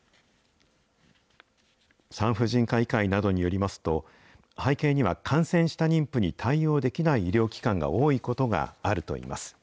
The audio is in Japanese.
産婦人科医会などによりますと、背景には、感染した妊婦に対応できない医療機関が多いことがあるといいます。